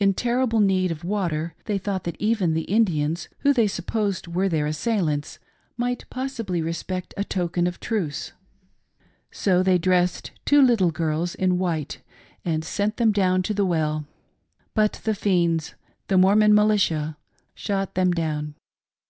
In terrible need of water, they thought that even the Indians who they supposed were their assailants might possibly respect a token of truce ; so they dressed two little girls in white and sent them down to the well. But the fiends — the Mormon militia — shot them down.